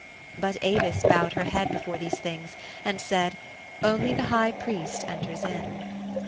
But Avis bowed her head before these things, and said, " Only the high priest enters in."